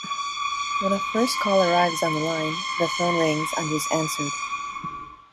When a first call arrives on the line, the phone rings and is answered.